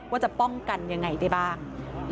ว่าจะป้องกันยังไงได้บ้าง